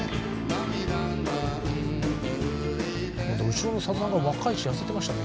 後ろのさださんが若いし痩せてましたね。